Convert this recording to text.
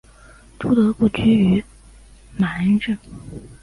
朱德故居位于马鞍镇。